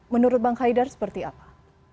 menurut bang haidar seperti apa